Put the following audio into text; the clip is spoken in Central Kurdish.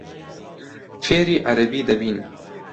فێری عەرەبی دەبین.